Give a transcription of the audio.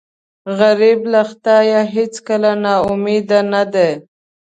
غریب له خدایه هېڅکله نا امیده نه دی